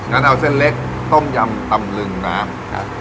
ก็เอาเส้นเล็กโต๊มยำตำลึงน้ำ